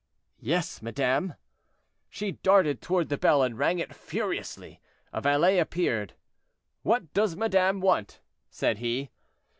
"Yes, madame." She darted toward the bell, and rang it furiously; a valet appeared. "What does madame want?" said he.